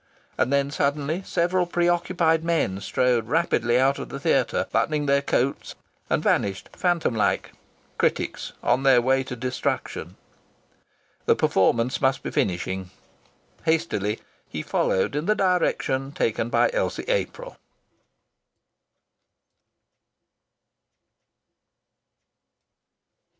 And then suddenly several preoccupied men strode rapidly out of the theatre, buttoning their coats, and vanished phantom like.... Critics, on their way to destruction! The performance must be finishing. Hastily he followed in the direction taken by Elsie April.